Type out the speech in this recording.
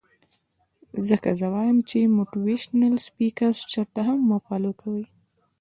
ځکه زۀ وائم چې موټيوېشنل سپيکرز چرته هم مۀ فالو کوئ